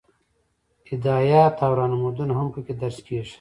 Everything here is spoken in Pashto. هدایات او رهنمودونه هم پکې درج کیږي.